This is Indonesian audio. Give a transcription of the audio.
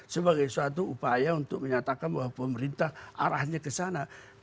sebagai suatu upaya untuk menyatakan bahwa pemerintah arahnya ke sana